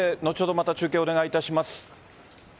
また中継お願いします。